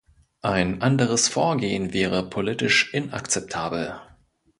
Ein anderes Vorgehen wäre politisch inakzeptabel.